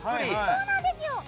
そうなんですよ！